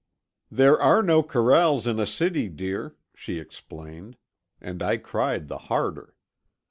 "There are no corrals in a city, dear," she explained—and I cried the harder.